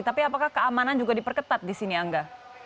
tapi apakah keamanan juga diperketat di sini angga